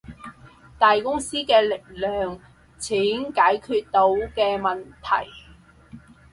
大公司嘅力量，錢解決到嘅問題